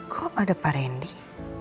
kok ada pak rendy